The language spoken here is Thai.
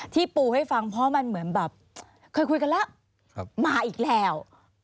ที่ปูให้ฟังเพราะเคยคุยกันแล้วมาอีกแล้ว